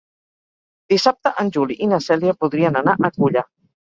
Dissabte en Juli i na Cèlia voldrien anar a Culla.